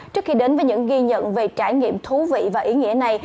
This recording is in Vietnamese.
trước khi đến với những ghi nhận về trải nghiệm thú vị và ý nghĩa này